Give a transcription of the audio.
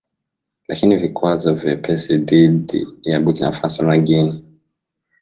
lakini vikwazo vyepesi dhidi ya Burkina Faso na Guinea